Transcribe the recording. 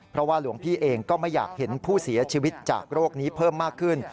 เพราะว่าหลวงพี่เองก็ไม่อยากเห็นผู้เสียชีวิตจากโรคนี้เพิ่มมากขึ้น